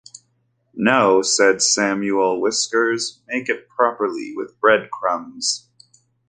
"No," said Samuel Whiskers, "make it properly, with breadcrumbs."